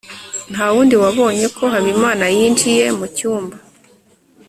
nta wundi wabonye ko habimana yinjiye mu cyumba